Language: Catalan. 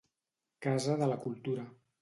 Casa de la Cultura